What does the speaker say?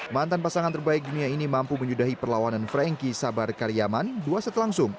mantan pasangan terbaik dunia ini mampu menyudahi perlawanan frankie sabar karyaman dua set langsung